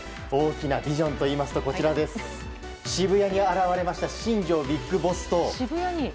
大きなビジョンといいますと渋谷に現れた新庄ビッグボスと。